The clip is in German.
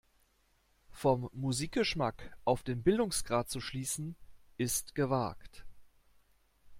Vom Musikgeschmack auf den Bildungsgrad zu schließen, ist gewagt.